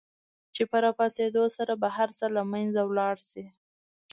چې په را پاڅېدو سره به هر څه له منځه ولاړ شي.